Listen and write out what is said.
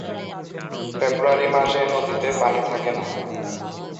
ফেব্রুয়ারি মাসে নদীতে পানি থাকে না।